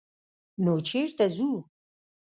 _نو چېرته ځو؟